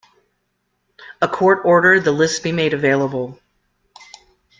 A court ordered the list be made available.